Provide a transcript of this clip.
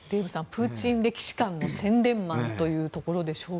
プーチン歴史観の宣伝マンというところでしょうか。